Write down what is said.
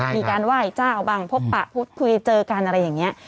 มีการไหว้เจ้าบ้างพบปะพูดคุยเจอกันอะไรอย่างนี้